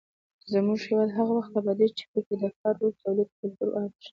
زموږ هېواد هغه وخت ابادېږي چې پکې د کار او تولید کلتور عام شي.